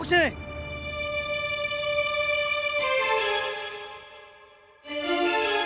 udah selesai nih mana dia